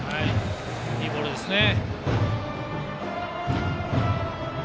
いいボールでしたね。